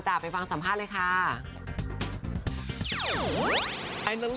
สัมภาษณ์เลยค่ะ